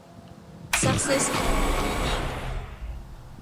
ซัคเซสมอร์ บีอิ้งค์